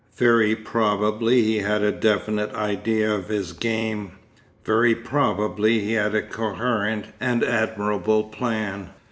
Very probably he had a definite idea of his game; very probably he had a coherent and admirable plan.